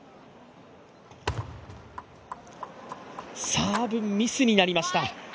サーブミスになりました。